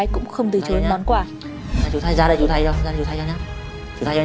con muốn thử mặc thử không